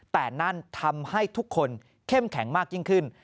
แต่นั่นทำให้ทุกคนเข้มแข็งมากยิ่งขึ้น